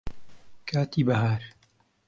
کاتی بەهار